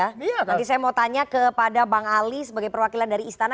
nanti saya mau tanya kepada bang ali sebagai perwakilan dari istana